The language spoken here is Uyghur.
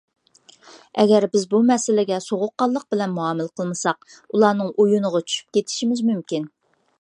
ئەگەر بىز بۇ مەسىلىگە سوغۇققانلىق بىلەن مۇئامىلە قىلمىساق، ئۇلارنىڭ ئويۇنىغا چۈشۈپ كېتىشىمىز مۇمكىن.